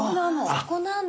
そこなんだ！